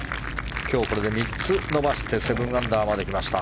今日これで３つ伸ばして７アンダーまでいきました。